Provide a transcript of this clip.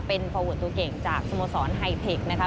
เป็นฝวนตัวเก่งจากสโมสรไฮเทคนะคะ